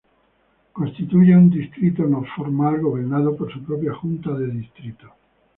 Constituye un distrito formal gobernado por su propia junta de distrito.